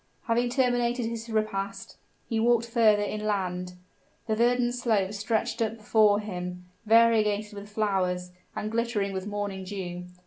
Having terminated his repast, he walked further inland. The verdant slope stretched up before him, variegated with flowers, and glittering with morning dew.